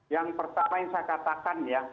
yang pertama yang saya katakan ya